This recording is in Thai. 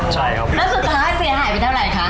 แล้วก็สุดท้ายเสียหายไปเท่าไหร่คะ